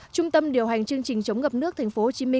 trung tâm điều hành chương trình chống ngập nước tp hcm